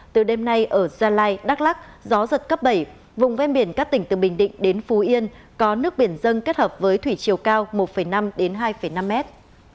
từ đêm nay ở gia lai đắk lắc gió giật cấp bảy vùng ven biển các tỉnh từ bình định đến phú yên có nước biển dân kết hợp với thủy chiều cao một năm đến hai năm mét